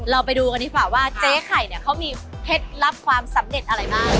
เราไปดูกันดีกว่าว่าเจ๊ไข่เนี่ยเขามีเคล็ดลับความสำเร็จอะไรบ้าง